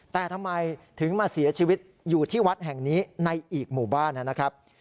แต่ทำไมถึงมาเสียชีวิตอยู่ที่วัดแห่งนี้ในอีกหมู่บ้านนะครับ